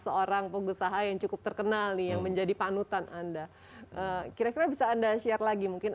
seorang pengusaha yang cukup terkenal nih yang menjadi panutan anda kira kira bisa anda share lagi mungkin